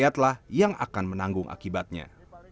rakyatlah yang akan menanggung akibatnya